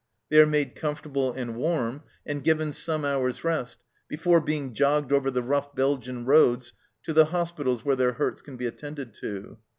They are made comfortable and warm, and given some hours' rest, before being joggled over the rough Belgian roads to the hospitals where their hurts can be attended to.